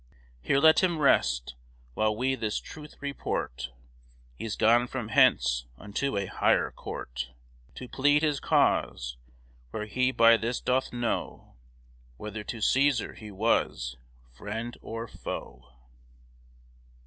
Here let him rest; while we this truth report, He's gone from hence unto a higher Court To plead his cause, where he by this doth know Whether to Cæsar he was friend or foe.